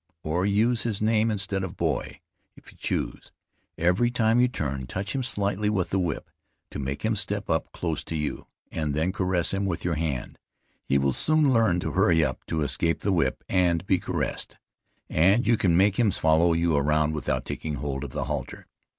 or use his name instead of boy, if you choose. Every time you turn, touch him slightly with the whip, to make him step up close to you, and then caress him with your hand. He will soon learn to hurry up to escape the whip and be caressed, and you can make him follow you around without taking hold of the halter.